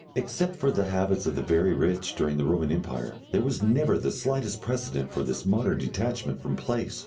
Except for the habits of the very rich during the Roman Empire, there was never the slightest precedent for this modern detachment from place.